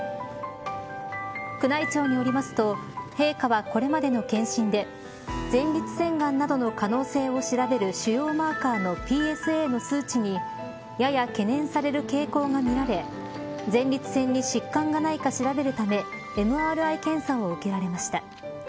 宮内庁によりますと陛下は、これまでの検診で前立腺がんなどの可能性を調べる腫瘍マーカーのＰＳＡの数値にやや懸念される傾向がみられ前立腺に疾患がないか調べるためＭＲＩ検査を受けられました。